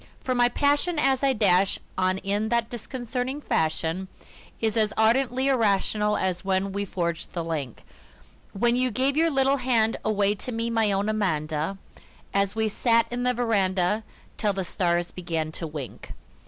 For my passion as I dash on in that disconcerting fashion Is as ardently irrational as when we forged the link When you gave your little hand away to me, my own Amanda An we sat 'n the veranda till the stars began to wink.